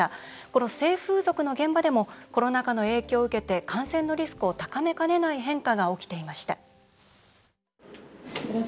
この性風俗の現場でもコロナ禍の影響を受けて感染のリスクを高めかねない変化が起きていました。